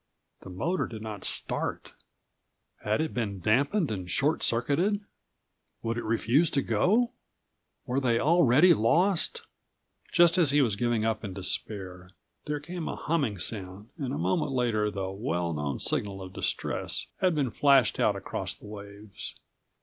The motor did not start. Had it been dampened and short circuited? Would it refuse to go? Were they already lost? Just as he was giving up in despair, there came a humming sound and a moment later the well known signal of distress had been flashed out across the waves.